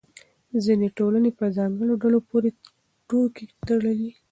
ځینې ټولنې په ځانګړو ډلو پورې ټوکې تړي.